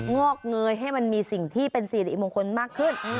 งอกเงยให้มันมีสิ่งที่เป็นสิริมงคลมากขึ้น